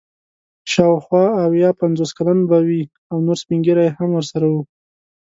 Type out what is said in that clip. شاوخوا اویا پنځه کلن به وي او نور سپین ږیري هم ورسره وو.